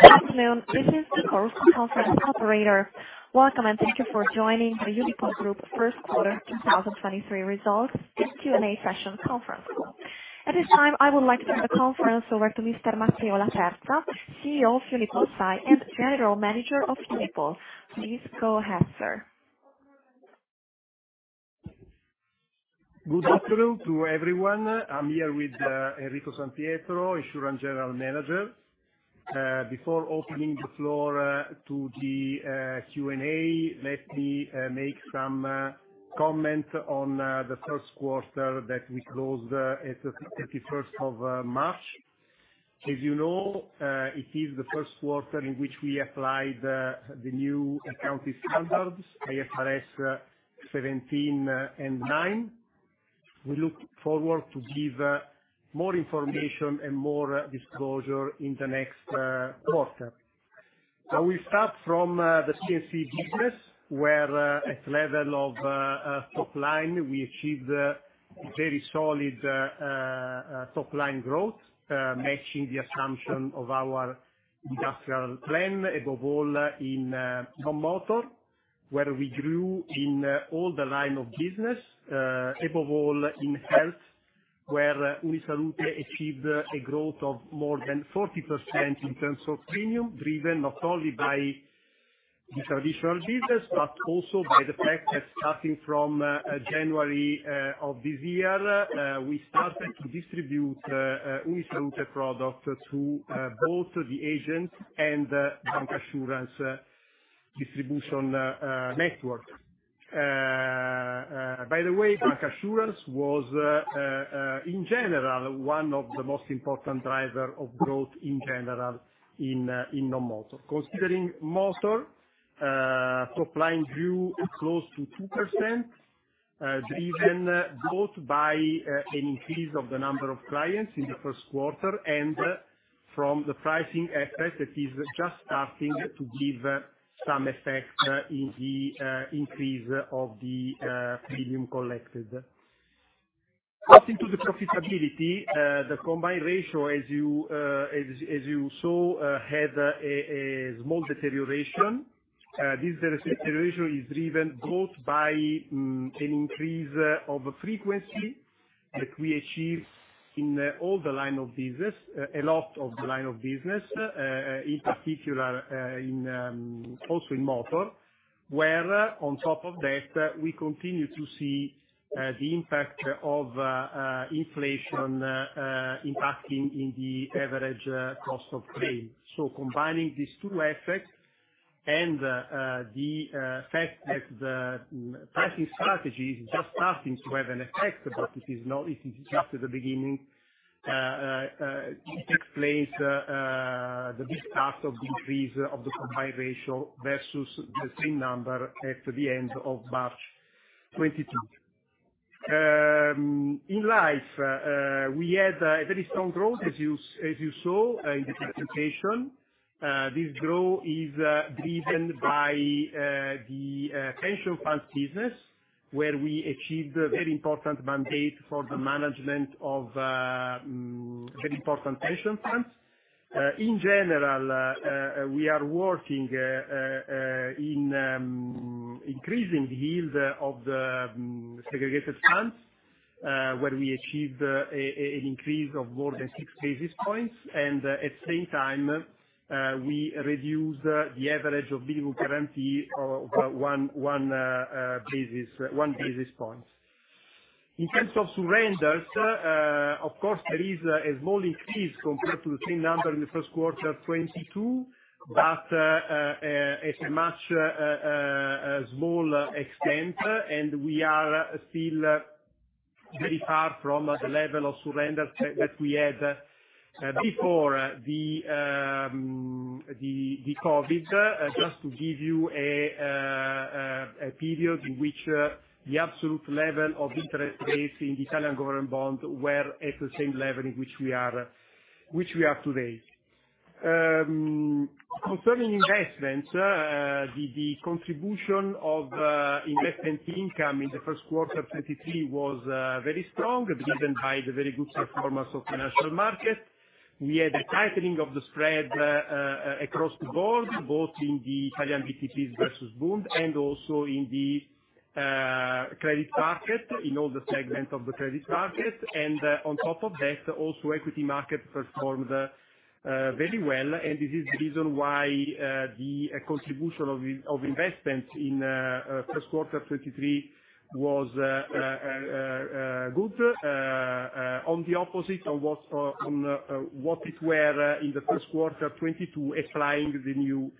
Good afternoon, this is the conference operator. Welcome, and thank you for joining the Unipol Group First Quarter 2023 results and Q&A session conference. At this time, I would like to turn the conference over to Mr. Matteo Laterza, CEO of UnipolSai and General Manager of Unipol. Please go ahead, sir. Good afternoon to everyone. I'm here with Enrico San Pietro, Insurance General Manager. Before opening the floor to the Q&A, let me make some comment on the first quarter that we closed at the 31st of March. As you know, it is the first quarter in which we applied the new accounting standards, IFRS 17 and IFRS 9. We look forward to give more information and more disclosure in the next quarter. We start from the P&C business, where at level of top line, we achieved a very solid top line growth, matching the assumption of our industrial plan, above all in non-motor, where we grew in all the line of business, above all in health, where UniSalute achieved a growth of more than 40% in terms of premium, driven not only by the traditional business but also by the fact that starting from January of this year, we started to distribute UniSalute product to both the agents and bancassurance distribution network. By the way, bancassurance was in general, one of the most important driver of growth in general in non-motor. Considering motor, top line grew close to 2%, driven both by an increase of the number of clients in the first quarter and from the pricing effect that is just starting to give some effect in the increase of the premium collected. Talking to the profitability, the combined ratio as you, as you saw, had a small deterioration. This deterioration is driven both by an increase of frequency that we achieved in all the line of business, a lot of the line of business, in particular, also in motor, where on top of that, we continue to see the impact of inflation, impacting in the average cost of claim. Combining these two effects and the fact that the pricing strategy is just starting to have an effect, but it is just at the beginning, it takes place the big part of the increase of the combined ratio versus the same number at the end of March 2022. In life, we had a very strong growth as you saw in the presentation. This growth is driven by the pension funds business, where we achieved a very important mandate for the management of very important pension funds. In general, we are working in increasing the yield of the segregated funds, where we achieved an increase of more than six basis points. At same time, we reduced the average of minimum guarantee of one basis points. In terms of surrenders, of course, there is a small increase compared to the same number in the first quarter 2022. it's much a small extent, and we are still very far from the level of surrender that we had before the COVID. Just to give you a period in which the absolute level of interest rates in the Italian government bond were at the same level in which we are today. Concerning investments, the contribution of investment income in the first quarter of 2023 was very strong, driven by the very good performance of financial markets. We had a tightening of the spread, across the board, both in the Italian BTP versus Bund, and also in the credit market, in all the segments of the credit market. On top of that, also equity market performed very well. This is the reason why the contribution of investment in first quarter 2023 was good on the opposite on what it were in the first quarter 2022, applying the new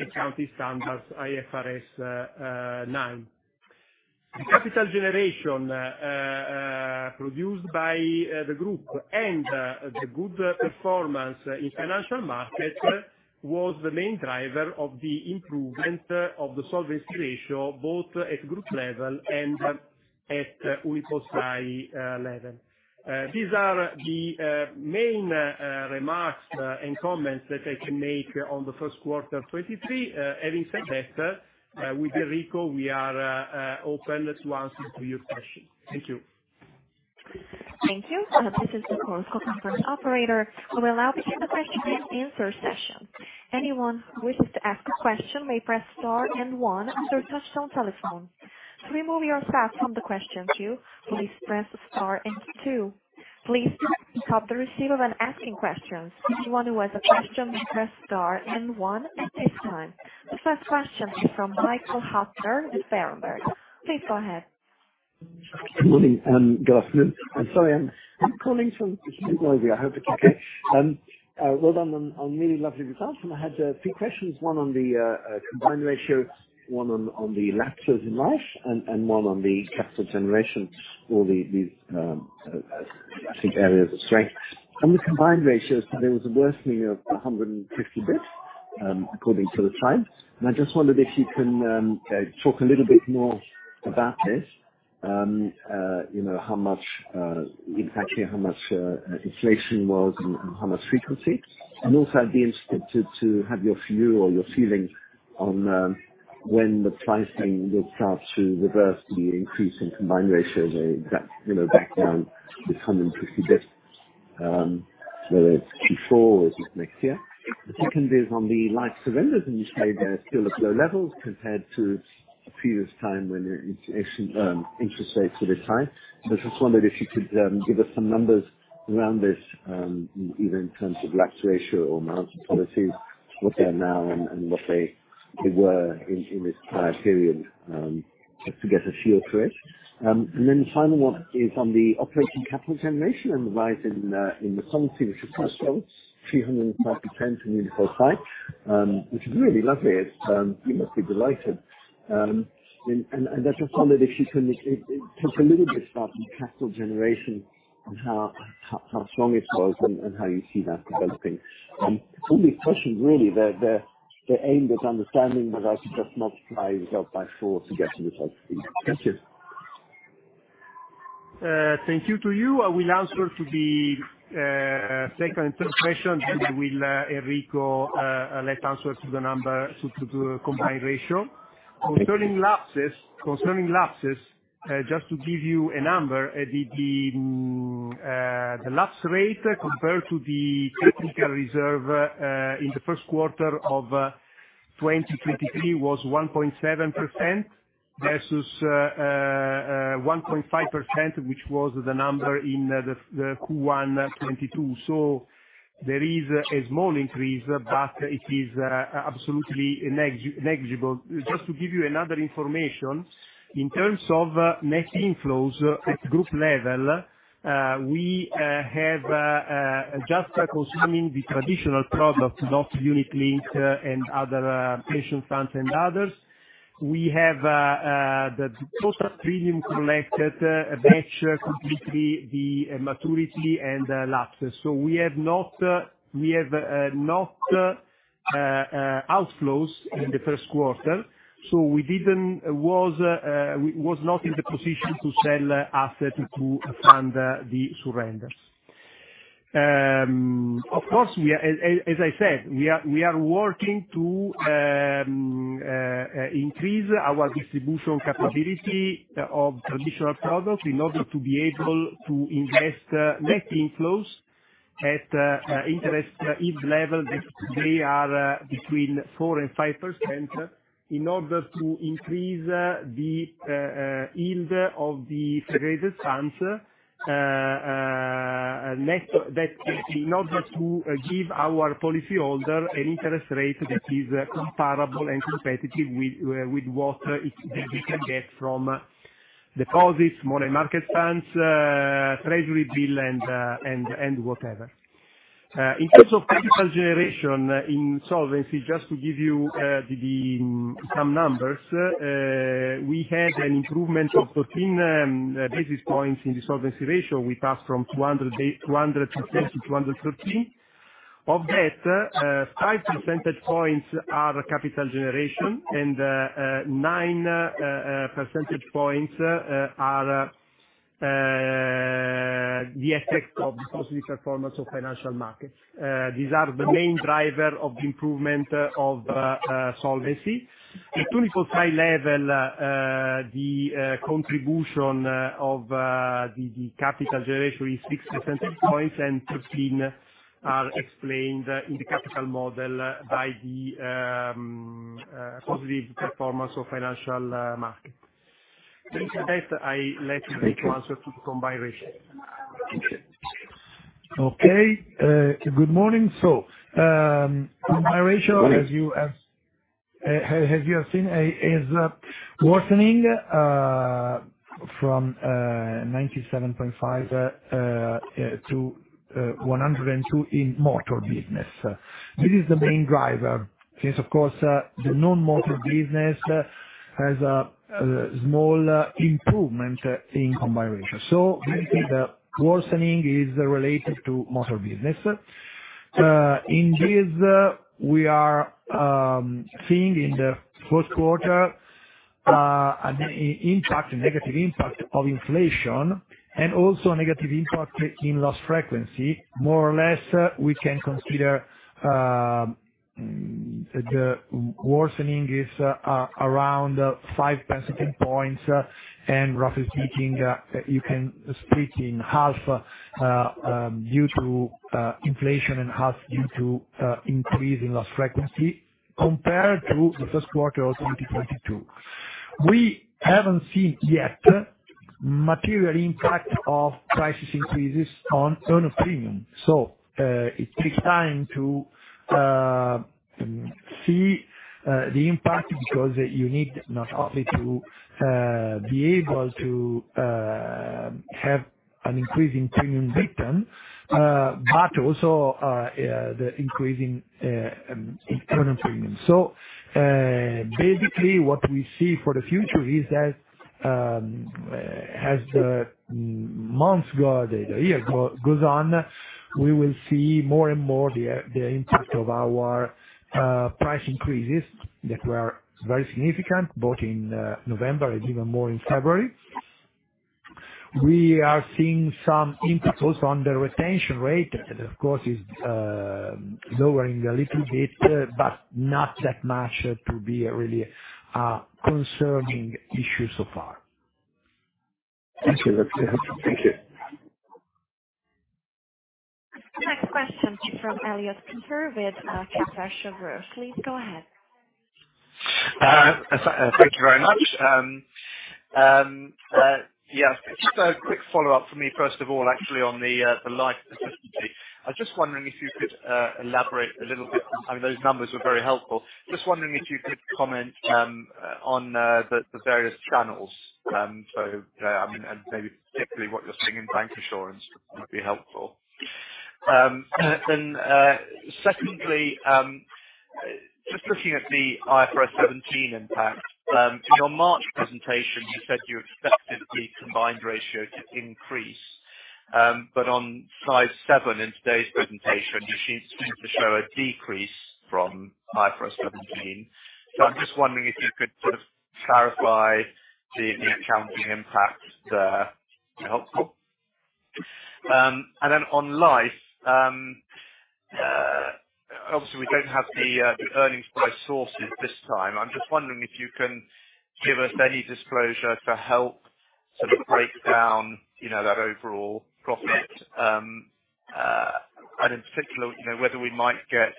accounting standards, IFRS 9. The capital generation produced by the group and the good performance in financial markets was the main driver of the improvement of the solvency ratio, both at group level and at UnipolSai level. These are the main remarks and comments that I can make on the first quarter 2023. Having said that, with Enrico, we are open to answers to your questions. Thank you. Thank you. This is the conference operator. Well done on really lovely results. I had a few questions, one on the combined ratio, one on the lapses in life, and one on the capital generation or the I think areas of strength. On the combined ratios, there was a worsening of 150 basis points, according to the slide. I just wondered if you can talk a little bit more about this, you know, how much impact here, how much inflation was and how much frequency. Also I'd be interested to have your view or your feeling on when the pricing will start to reverse the increase in combined ratio, the exact, you know, background, the 150 basis points, whether it's Q4 or is this next year. The second is on the life surrenders, you say they're still at low levels compared to a previous time when in-interest, interest rates were this high. I just wondered if you could give us some numbers around this, even in terms of lapse ratio or amount of policies, what they are now and what they were in this prior period, just to get a feel for it. Then the final one is on the operating capital generation and the rise in the solvency ratio, 350% in UnipolSai, which is really lovely. It's, you must be delighted. I just wondered if you can talk a little bit about the capital generation and how strong it was and how you see that developing. Only question really the aim is understanding whether I should just multiply the result by four to get to the top three. Thank you. Thank you to you. I will answer to the second interpretation. We'll Enrico let answer to the number, so to do a combined ratio. Concerning lapses, just to give you a number, the lapse rate compared to the technical reserve in the first quarter of 2023 was 1.7% versus 1.5%, which was the number in Q1 2022. There is a small increase, but it is absolutely negligible. Just to give you another information, in terms of net inflows at group level, we have just consuming the traditional products, not Unit-Linked, and other pension funds and others. We have the total premium collected that's completely the maturity and lapses. We have not, we have not outflows in the first quarter, so we didn't. Was not in the position to sell asset to fund the surrenders. Of course, as I said, we are working to increase our distribution capability of traditional products in order to be able to invest net inflows at interest yield level that they are between 4% and 5%, in order to increase the yield of the segregated funds next that in order to give our policyholder an interest rate that is comparable and competitive with what they can get from deposits, money market funds, treasury bill, and whatever. In terms of capital generation in solvency, just to give you some numbers, we had an improvement of 13 basis points in the solvency ratio. We passed from 220 to 213. Of that, five percentage points are capital generation and nine percentage points are the effect of the positive performance of financial markets. These are the main driver of the improvement of solvency. At UnipolSai level, the contribution of capital generation is six percentage points, and 13 are explained in the capital model by the positive performance of financial market. With that, I let Enrico answer to the combined ratio. Thank you. Okay. Good morning. Combined ratio, as you have seen, is worsening from 97.5 to 102 in motor business. This is the main driver. Yes, of course, the non-motor business has a small improvement in combined ratio. Basically the worsening is related to motor business. In this, we are seeing in the first quarter a negative impact of inflation and also a negative impact in loss frequency. More or less, we can consider the worsening is around five percentage points, and roughly speaking, you can speak in half due to inflation and half due to increase in loss frequency compared to the first quarter of 2022. We haven't seen yet material impact of price increases on earn of premium. It takes time to see the impact because you need not only to be able to have an increase in premium written, but also the increasing internal premium. Basically what we see for the future is as the months go, the year goes on, we will see more and more the impact of our price increases that were very significant, both in November and even more in February. We are seeing some impact also on the retention rate. That, of course, is lowering a little bit, but not that much to be a really concerning issue so far. Thank you, Enrico. Thank you. Next question from Peter Eliot with Kepler Cheuvreux. Please go ahead. Thank you very much. Yeah, just a quick follow-up from me first of all, actually on the life efficiency. I was just wondering if you could elaborate a little bit. I mean, those numbers were very helpful. Just wondering if you could comment on the various channels. I mean, and maybe particularly what you're seeing in bancassurance would be helpful. Secondly, just looking at the IFRS 17 impact, in your March presentation, you said you expected the combined ratio to increase. On slide seven in today's presentation, the sheets seem to show a decrease from IFRS 17. I'm just wondering if you could sort of clarify the accounting impact, be helpful. On life, obviously we don't have the earnings by sources this time. I'm just wondering if you can give us any disclosure to help sort of break down, you know, that overall profit, and in particular, you know, whether we might get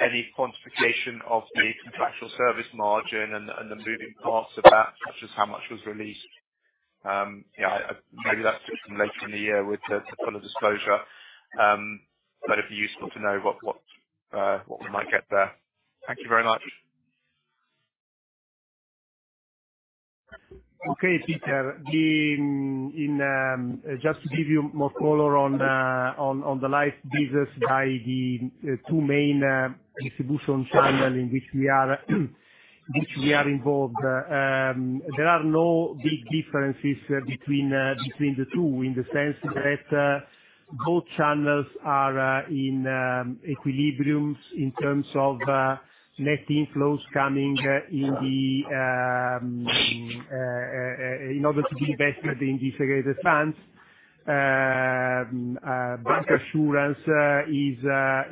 any quantification of the contractual service margin and the moving parts of that, such as how much was released. Maybe that's just later in the year with the full disclosure, but it'd be useful to know what we might get there. Thank you very much. Okay, Peter. Just to give you more color on the life business by the two main distribution channel in which we are involved. There are no big differences between the two, in the sense that both channels are in equilibrium in terms of net inflows coming in order to be invested in segregated funds. bancassurance is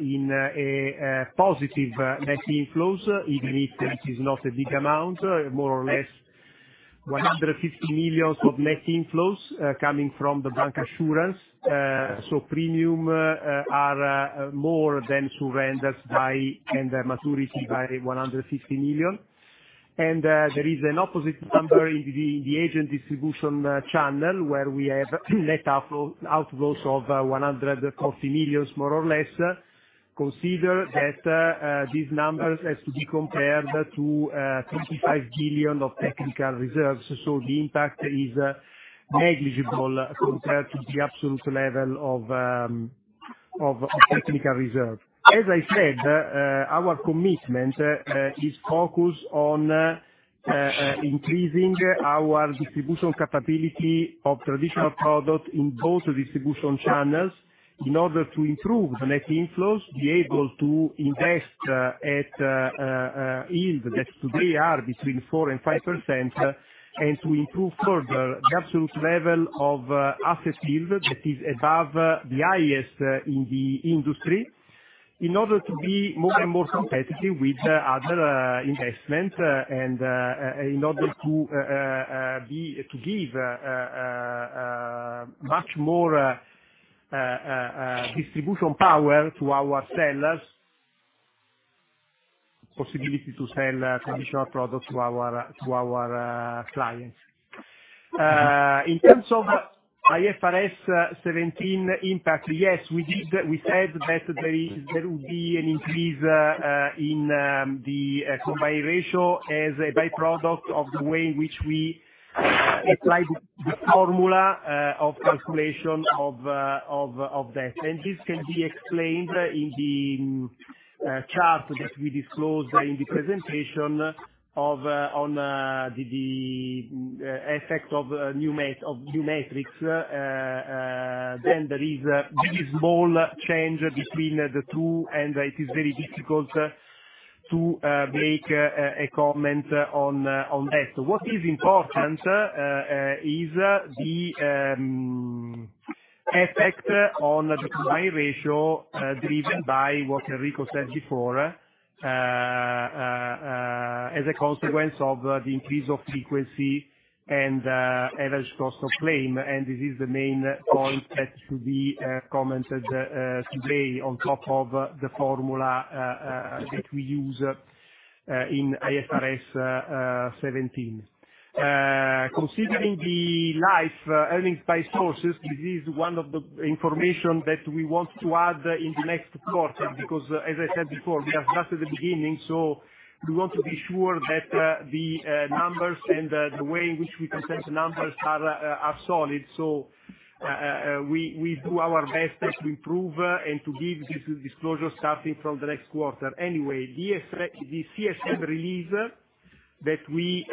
in a positive net inflows, even if this is not a big amount. More or less 150 million of net inflows coming from the bancassurance. Premium are more than surrendered by, and the maturity by 150 million. There is an opposite number in the agent distribution channel, where we have net outflows of 140 million, more or less. Consider that these numbers has to be compared to 25 billion of technical reserves. The impact is negligible compared to the absolute level of technical reserve. As I said, our commitment is focused on increasing our distribution capability of traditional products in both distribution channels in order to improve the net inflows, be able to invest at yield that today are between 4% and 5%, and to improve further the absolute level of asset yield that is above the highest in the industry, in order to be more and more competitive with other investments, and in order to give much more distribution power to our sellers. Possibility to sell traditional products to our clients. In terms of IFRS 17 impact, yes, we did. We said that there is, there will be an increase, in the combined ratio as a by-product of the way in which we apply the formula of calculation of that. This can be explained in the chart that we disclosed in the presentation on the effect of new metrics. There is a very small change between the two, and it is very difficult to make a comment on that. What is important is the effect on the combined ratio driven by what Enrico said before as a consequence of the increase of frequency and average cost of claim. This is the main point that should be commented today on top of the formula that we use in IFRS 17. Considering the life earnings by sources, this is one of the information that we want to add in the next quarter, because as I said before, we are just at the beginning, so we want to be sure that the numbers and the way in which we present the numbers are solid. We do our best to improve and to give this disclosure starting from the next quarter. The effect, the CSM release that we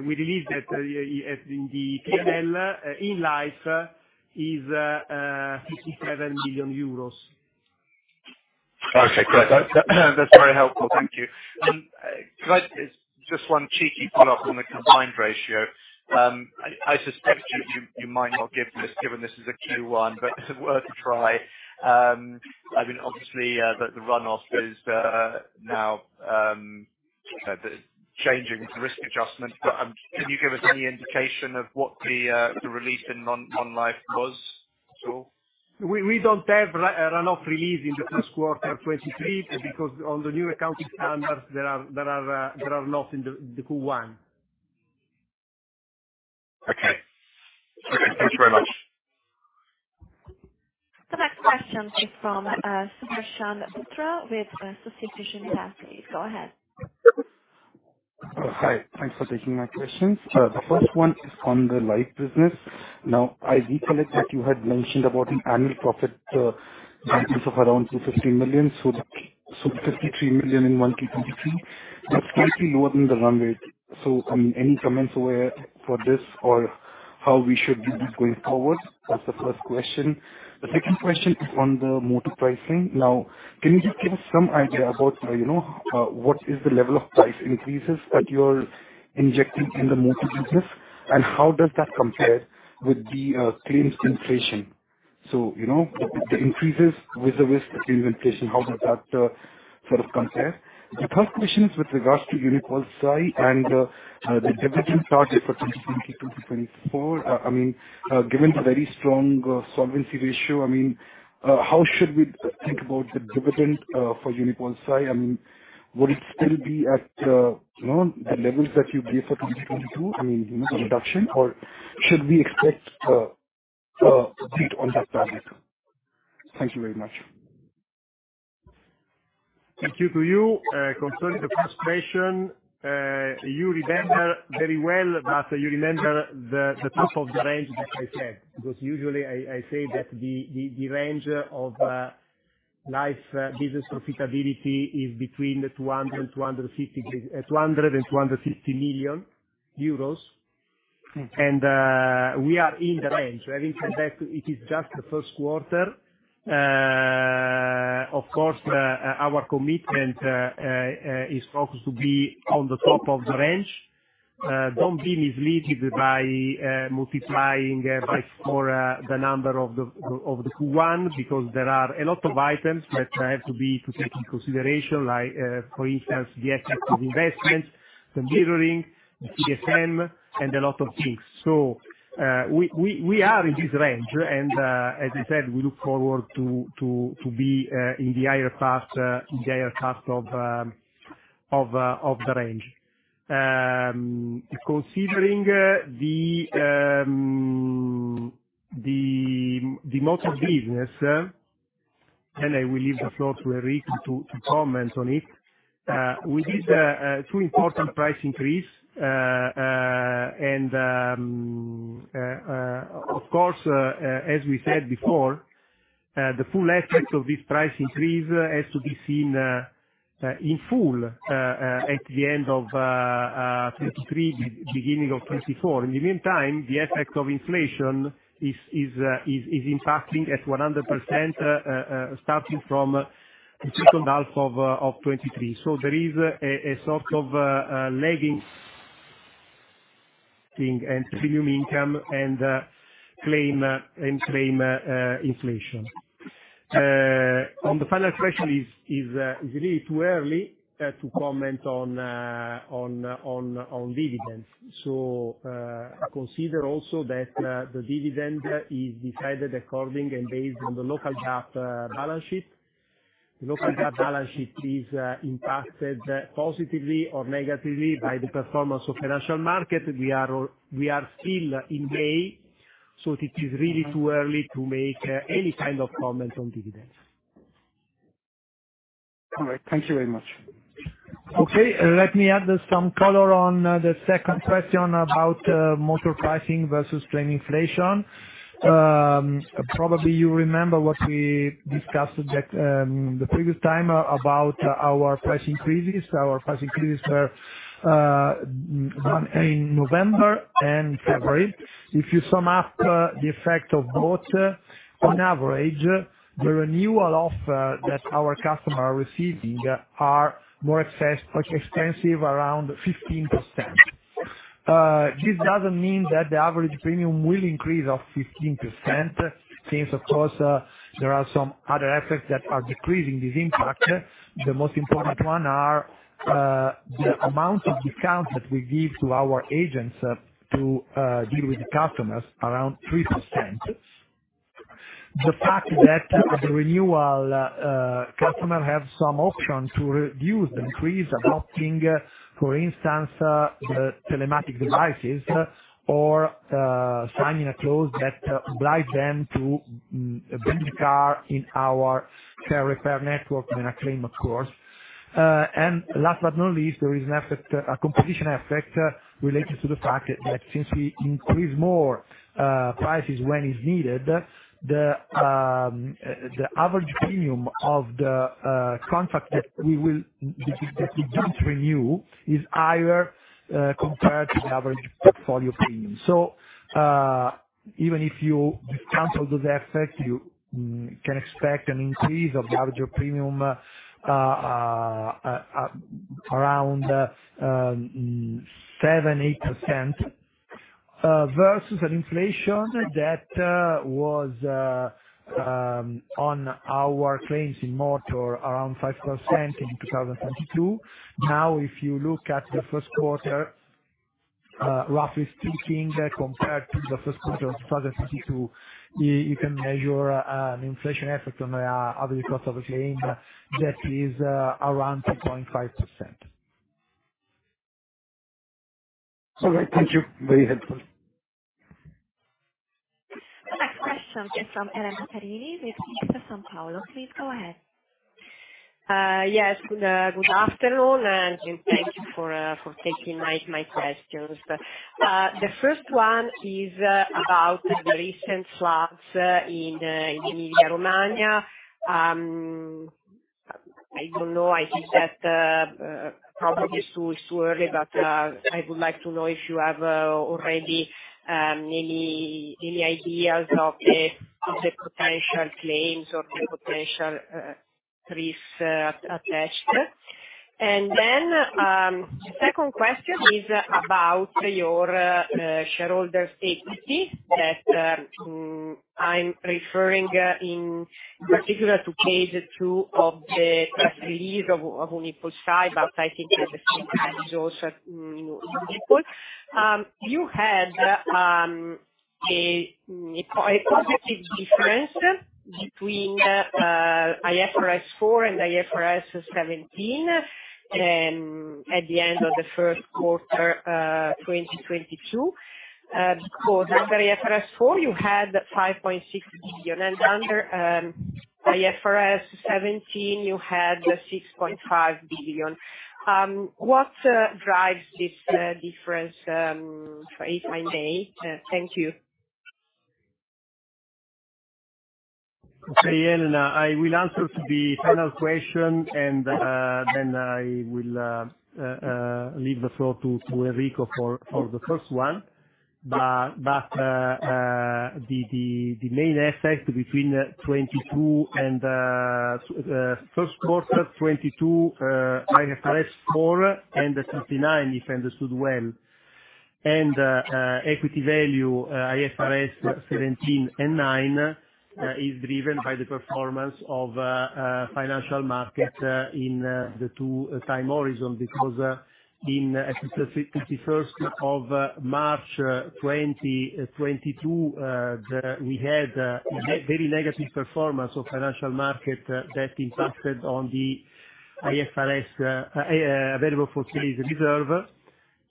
released at, as in the P&L in life is 57 million euros. Okay, great. That's very helpful. Thank you. Could I just one cheeky follow-up on the combined ratio? I suspect you might not give this, given this is a Q1, but it's worth a try. I mean, obviously, the runoff is now, you know, the changing risk adjustment, but can you give us any indication of what the release in non-life was at all? We don't have a runoff release in the first quarter 2023 because on the new accounting standards there are not in the Q1. Okay. Okay. Thanks very much. The next question is from Suresh Athukorala with Societe Generale. Please go ahead. Hi. Thanks for taking my questions. The first one is on the life business. I recollect that you had mentioned about an annual profit guidance of around 250 million, so 53 million in 2023. That's slightly lower than the run rate. Any comments where for this or how we should view this going forward? That's the first question. The second question is on the motor pricing. Can you just give some idea about, you know, what is the level of price increases that you're injecting in the motor business, and how does that compare with the claims inflation? You know, the increases with the risk of claims inflation, how does that sort of compare? The third question is with regards to UnipolSai and the dividend target for 2020 to 2024. I mean, given the very strong solvency ratio, I mean, how should we think about the dividend for UnipolSai? I mean, would it still be at, you know, the levels that you gave for 2022, I mean, you know, the reduction or should we expect to beat on that target? Thank you very much. Thank you to you. Concerning the first question, you remember very well, but you remember the top of the range that I said, because usually I say that the range of life business profitability is between 200 million euros and 250 million euros. Mm-hmm. We are in the range. Having said that, it is just the first quarter. Of course, our commitment is focused to be on the top of the range. Don't be misleading by multiplying by four the number of the Q1, because there are a lot of items that have to be to take in consideration, like, for instance, the effective investment, the mirroring, the CSM and a lot of things. We are in this range. As I said, we look forward to be in the higher part, in the higher part of the range. Considering the motor business, and I will leave the floor to Enrico to comment on it. We did two important price increase. Of course, as we said before, the full effect of this price increase has to be seen in full at the end of 2023, beginning of 2024. In the meantime, the effect of inflation is impacting at 100%, starting from the second half of 2023. There is a sort of lagging thing and premium income and claim and claim inflation. On the final question is really too early to comment on dividends. Consider also that the dividend is decided according and based on the local GAAP balance sheet. Local GAAP balance sheet is impacted positively or negatively by the performance of financial market. We are still in May, it is really too early to make any kind of comment on dividends. All right. Thank you very much. Okay. Let me add some color on the second question about motor pricing versus claim inflation. Probably you remember what we discussed that the previous time about our price increases. Our price increases were in November and February. If you sum up the effect of both, on average, the renewal offer that our customer are receiving are more expensive around 15%. This doesn't mean that the average premium will increase of 15%. Of course, there are some other effects that are decreasing this impact. The most important one are the amount of discounts that we give to our agents to deal with the customers around 3%. The fact that at renewal, customer have some option to reduce, increase, adopting, for instance, the telematic devices or signing a clause that obliges them to bring the car in our fair repair network in a claim, of course. Last but not least, there is an effect, a competition effect related to the fact that since we increase more, prices when is needed, the average premium of the contract that we don't renew is higher compared to the average portfolio premium. Even if you discount all those effects, you can expect an increase of the average of premium, around 7%-8%, versus an inflation that was on our claims in motor around 5% in 2022.If you look at the first quarter, roughly speaking, compared to the first quarter of 2022, you can measure an inflation effort on the average cost of claim that is around 2.5%. All right. Thank you. Very helpful. The next question is from Elena Perini with Intesa Sanpaolo. Please go ahead. Yes. Good afternoon, thank you for taking my questions. The first one is about the recent floods in Emilia-Romagna. I don't know, I think that probably it's too early, but I would like to know if you have already any ideas of the potential claims or the potential risks attached. Second question is about your shareholder's equity that I'm referring in particular to page two of the press release of UnipolSai, but I think at the same time is also Unipol. You had a positive difference between IFRS 4 and IFRS 17, and at the end of the first quarter 2022.Under IFRS 4 you had 5.6 billion, and under IFRS 17 you had 6.5 billion. What drives this difference, if I may? Thank you. Okay, Elena. I will answer to the final question. Then I will leave the floor to Enrico for the first one. The main effect between 2022 and first quarter 2022, IFRS 4 and IFRS 9, if I understood well. Equity value, IFRS 17 and IFRS 9, is driven by the performance of financial market in the two time horizon, because at the 31st of March 2022, we had a very negative performance of financial market that impacted on the IFRS available-for-sale reserve.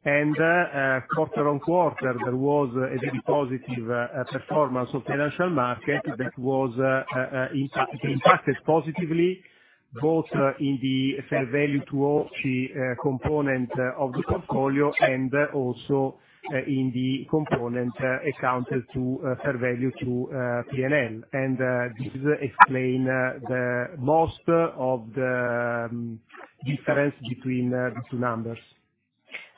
Quarter-on-quarter, there was a very positive performance of financial market that was impacted positively, both in the fair value to OCI component of the portfolio and also in the component accounted to fair value to P&L. This explain the most of the difference between the two numbers.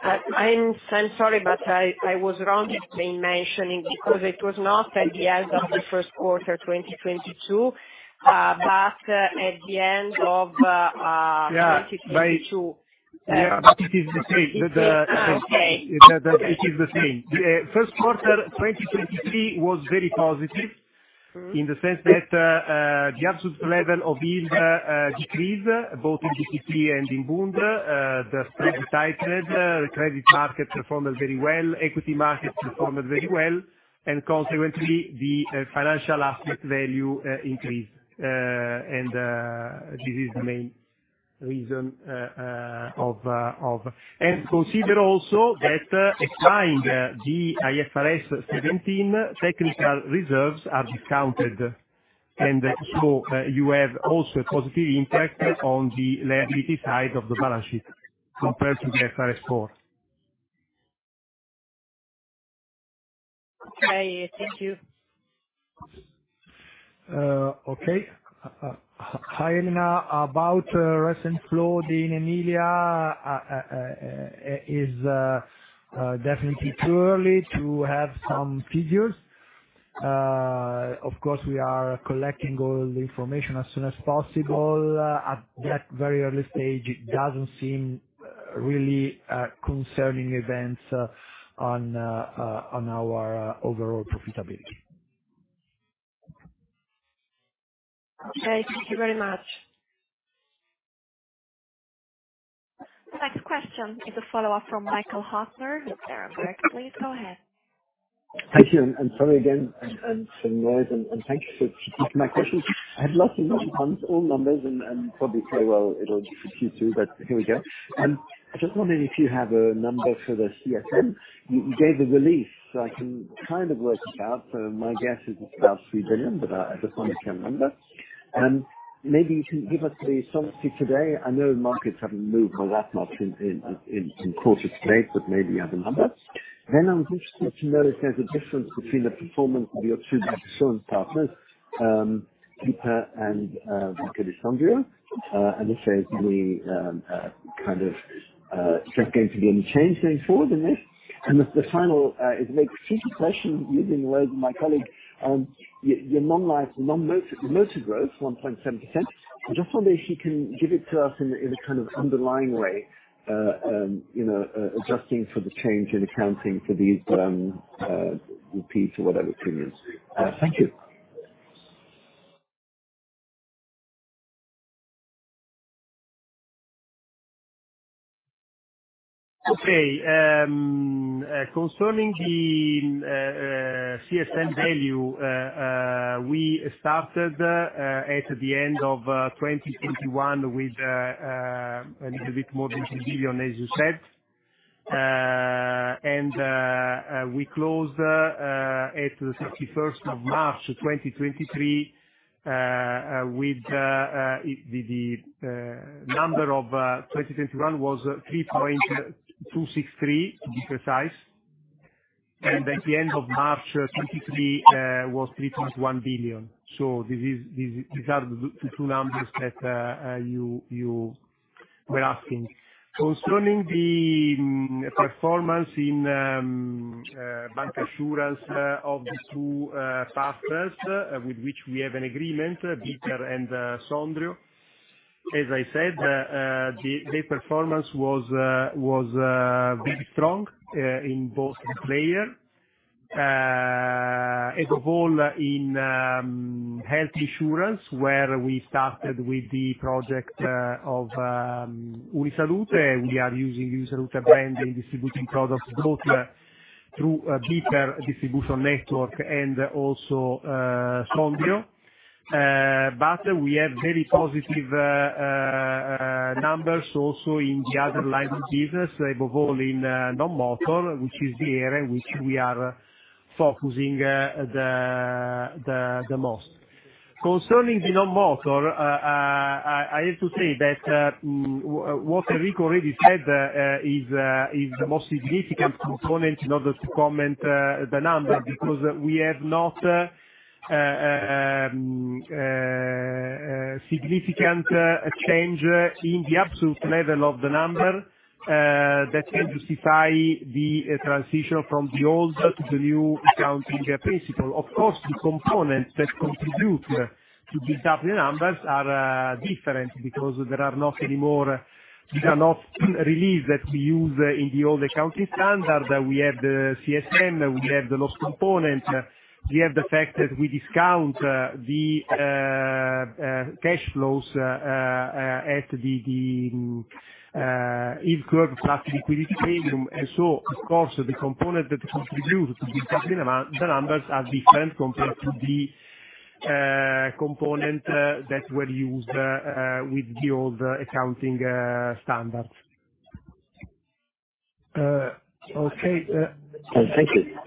I'm sorry, but I was wrong in mentioning, because it was not at the end of the first quarter 2022, but at the end of. Yeah. 2022. Yeah. It is the same. Okay. It is the same. The first quarter, 2023 was very positive. Mm-hmm. In the sense that the absolute level of bill decreased both in BTP and in Bund. As prioritised, the credit market performed very well, equity market performed very well, and consequently the financial asset value increased. This is the main reason of. Consider also that applying the IFRS 17 technical reserves are discounted. You have also a positive impact on the liability side of the balance sheet compared to the IFRS 4. Okay, thank you. Okay. Hi, Elena. About recent flood in Emilia, is definitely too early to have some figures. Of course, we are collecting all the information as soon as possible. At that very early stage, it doesn't seem really concerning events on our overall profitability. Okay, thank you very much. Next question is a follow-up from Michael Huttner with Berenberg. Please go ahead. Thank you. Sorry again, and for the noise, and thank you for taking my question. I have lots and lots of all numbers and probably say, well, it'll in Q2, but here we go. I just wondering if you have a number for the CSM. You gave the release, so I can kind of work it out. My guess is it's about 3 billion, but I just want a clear number. Maybe you can give us the solvency today. I know markets haven't moved a lot, not in quarter to date, but maybe you have a number. I'm interested to know if there's a difference between the performance of your two bancassurance partners, BPER Banca and Banca Popolare di Sondrio. If there's any, kind of, check going to be any change going forward in this. The final, is maybe a stupid question using the words of my colleague, your non-life, non-motor, motor growth 1.7%. I just wonder if you can give it to us in a, in a kind of underlying way, you know, adjusting for the change in accounting for these, repeats or whatever premiums. Thank you. Okay. Concerning the CSM value, we started at the end of 2021 with a little bit more than EUR 2 billion, as you said. We closed at the 31st of March 2023 with the number of 2021 was 3.263, to be precise. At the end of March 2023 was 3.1 billion. This is these are the two numbers that you were asking. Concerning the performance in bancassurance of the two partners with which we have an agreement, BPER Banca and Sondrio. As I said, the performance was very strong in both player. Of all in health insurance, where we started with the project of UniSalute. We are using UniSalute brand and distributing products both through BPER Banca distribution network and also Sondrio. We have very positive numbers also in the other lines of business, above all in non-motor, which is the area which we are focusing the most. Concerning the non-motor, I have to say that what Enrico already said is the most significant component in order to comment the number. We have not significant change in the absolute level of the number that can justify the transition from the old to the new accounting principle. Of course, the components that contribute to build up the numbers are different because there are not any more big amount release that we use in the old accounting standard. We have the CSM, we have the loss component, we have the fact that we discount the cash flows at the yield curve plus liquidity premium. Of course the component that contribute to this capital amount, the numbers are different compared to the component that were used with the old accounting standards. Thank you.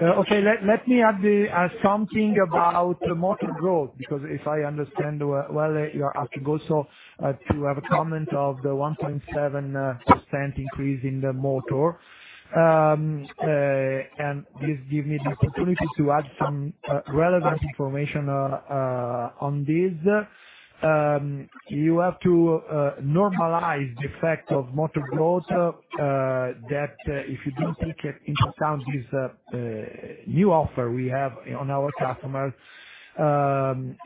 Okay. Let me add the something about the motor growth, because if I understand well, you're asking also to have a comment of the 1.7% increase in the motor. Please give me the opportunity to add some relevant information on this. You have to normalize the effect of motor growth, that if you don't take it into account with new offer we have on our customers,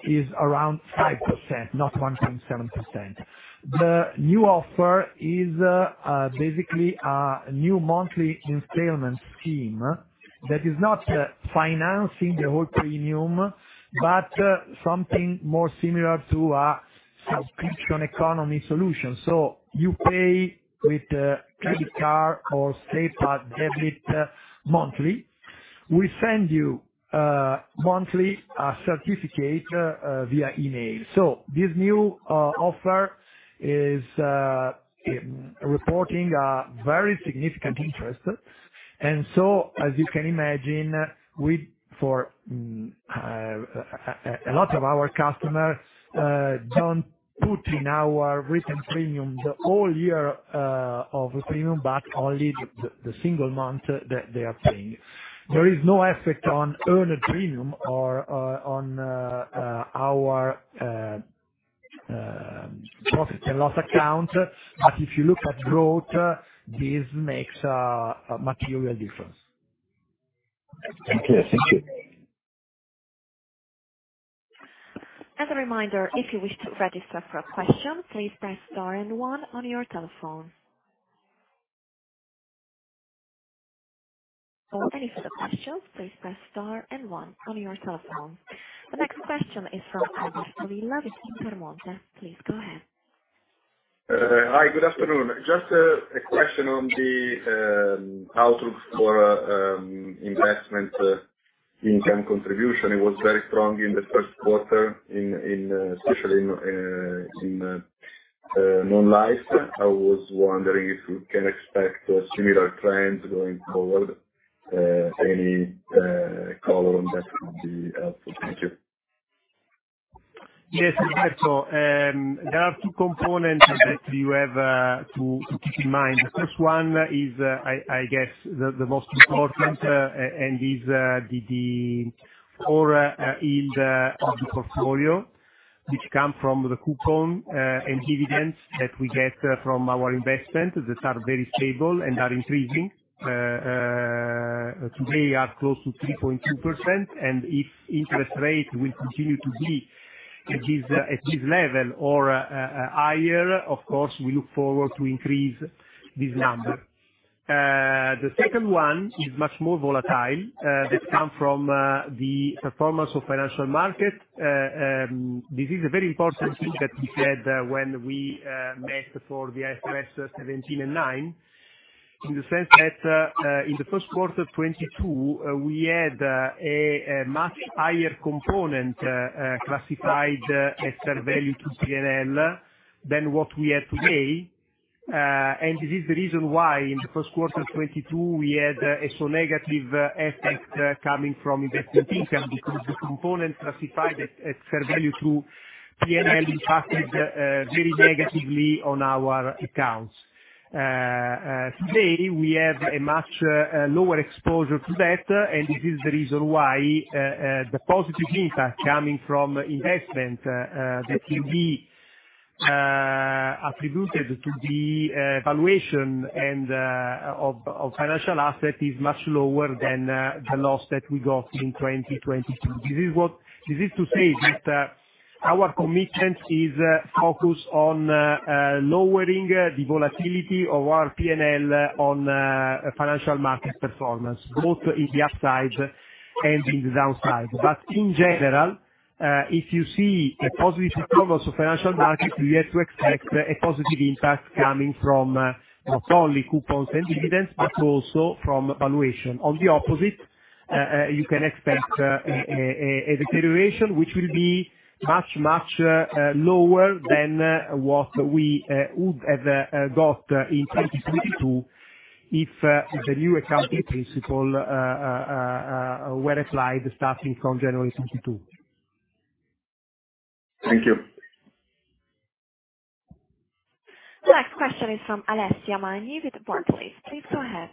is around 5%, not 1.7%. The new offer is basically a new monthly installment scheme that is not financing the whole premium, but something more similar to a subscription economy solution. You pay with a credit card or save at debit monthly. We send you monthly certificate via email. This new offer is reporting a very significant interest. As you can imagine, a lot of our customers don't put in our written premium the whole year of premium, but only the single month that they are paying. There is no effect on earned premium or on our profit and loss account. If you look at growth, this makes a material difference. Thank you. Thank you. As a reminder, if you wish to register for a question, please press star and one on your telephone. For any further questions, please press star and one on your telephone. The next question is from Alberto Villa with Intermonte. Please go ahead. Hi, good afternoon. Just a question on the outlook for investment income contribution. It was very strong in the first quarter in especially in non-life. I was wondering if we can expect a similar trend going forward. Any color on that would be helpful. Thank you. Yes, Alberto. There are two components that you have to keep in mind. The first one is I guess the most important and is the core yield of the portfolio, which come from the coupon and dividends that we get from our investment, that are very stable and are increasing. Today are close to 3.2%. If interest rate will continue to be at this level or higher, of course, we look forward to increase this number. The second one is much more volatile, that come from the performance of financial market. This is a very important thing that we said when we met for the IFRS 17 and 9. In the sense that, in the first quarter 2022, we had a much higher component classified as fair value through P&L than what we have today. This is the reason why in the first quarter 2022, we had a so negative effect coming from investment income, because the component classified as fair value through P&L impacted very negatively on our accounts. Today we have a much lower exposure to that. This is the reason why the positive impact coming from investment that will be attributed to the valuation and financial asset, is much lower than the loss that we got in 2022. This is what. This is to say that our commitment is focused on lowering the volatility of our P&L on financial market performance, both in the upside and in the downside. In general, if you see a positive performance of financial market, we have to expect a positive impact coming from not only coupons and dividends, but also from valuation. On the opposite, you can expect a deterioration, which will be much, much lower than what we would have got in 2022 if the new accounting principle were applied starting from January 2022. Thank you. Next question is from Alessia Magni with Barclays. Please go ahead.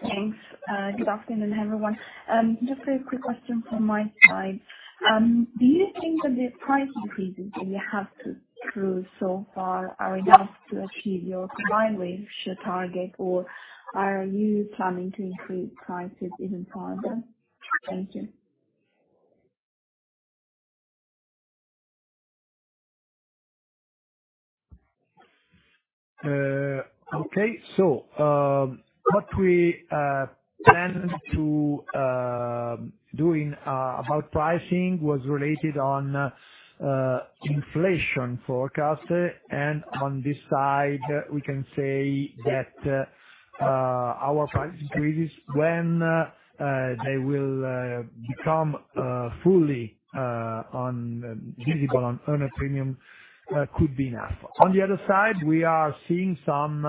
Thanks. Good afternoon, everyone. Just a quick question from my side. Do you think that the price increases that you have to through so far are enough to achieve your combined ratio target, or are you planning to increase prices even further? Thank you. Okay. What we plan to doing about pricing was related on inflation forecast. On this side we can say that our price increases when they will become fully visible on earned premium could be enough. On the other side, we are seeing some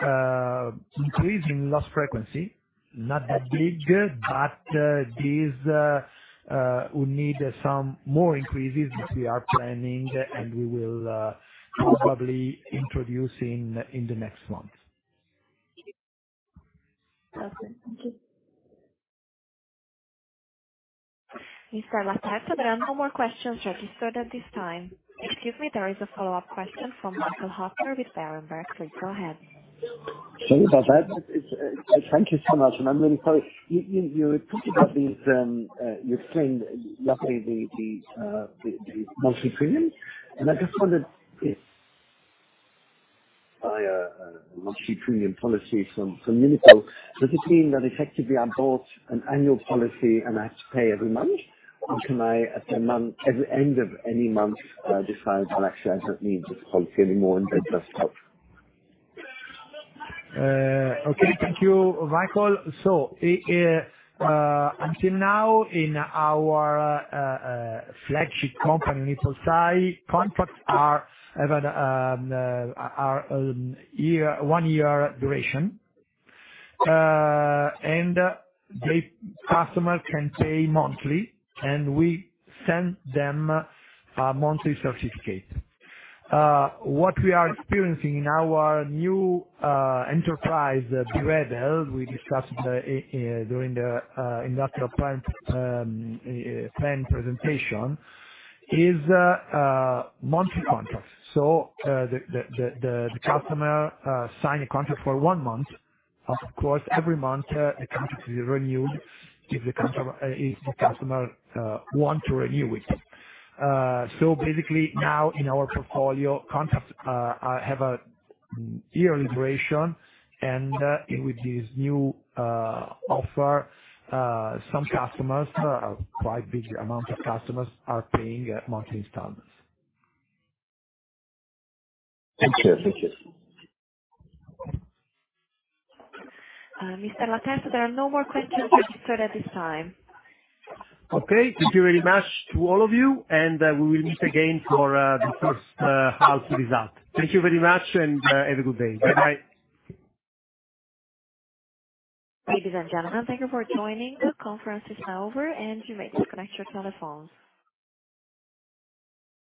increase in loss frequency, not that big, but this will need some more increases, which we are planning, and we will probably introduce in the next months. Perfect. Thank you. Mr. Laterza, there are no more questions registered at this time. Excuse me, there is a follow-up question from Michael Huttner with Berenberg. Please go ahead. Sorry about that. It's. Thank you so much, and I'm really sorry. You were talking about these, you explained lastly the, the monthly premium. I just wondered if I, monthly premium policy from Unipol, does it mean that effectively I bought an annual policy and I have to pay every month? Can I at the end of any month, decide to actually, I don't need this policy anymore and then just stop? Okay, thank you, Michael. Until now, in our flagship company, UnipolSai, contracts are have a one year duration. The customer can pay monthly, and we send them a monthly certificate. What we are experiencing in our new enterprise, BeRebel, we discussed during the industrial plan plan presentation, is monthly contracts. The customer sign a contract for one month. Of course, every month, the contract is renewed if the customer want to renew it. Basically now in our portfolio contracts have a yearly duration. With this new offer, some customers, quite big amount of customers are paying at monthly installments. Thank you. Thank you. Mr. Laterza, there are no more questions registered at this time. Okay. Thank you very much to all of you, we will meet again for the first half result. Thank you very much, have a good day. Bye-bye. Ladies and gentlemen, thank you for joining. The conference is now over, and you may disconnect your telephones.